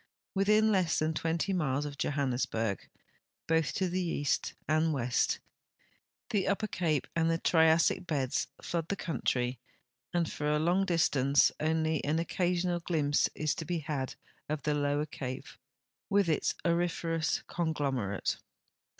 M'ithin less than 20 miles of Johannesburg, both to the east and west, the Upper Cape and the 'ITiassic beds Hood the country, and for a long dis tance only an occasional glimpse is to be had of the Lower Cape with its auriferous conglomerate.